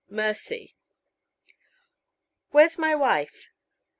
MERCY "Where is my wife?"